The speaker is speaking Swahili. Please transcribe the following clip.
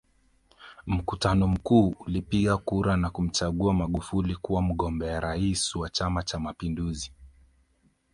Mkutano mkuu ulipiga kura na kumchagua Magufuli kuwa mgombea urais wa Chama Cha Mapinduzi